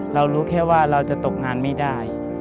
เรารู้แค่ว่าเราจะตกงานไม่ได้